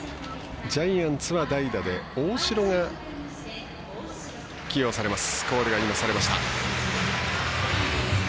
ジャイアンツは代打で大城が起用されます。